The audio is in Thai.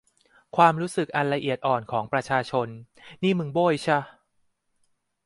ความรู้สึกอันละเอียดอ่อนของประชาชนนี่มึงโบ้ยช่ะ